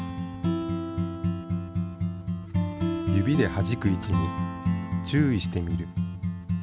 指ではじく位置に注意してみる。